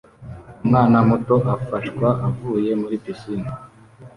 Umwana muto afashwa avuye muri pisine